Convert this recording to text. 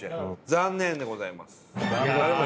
残念でございます